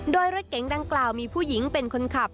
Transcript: โดยรถเก๋งดังกล่าวมีผู้หญิงเป็นคนขับ